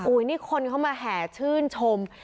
นี่คนเข้ามาแห่ชื่นชม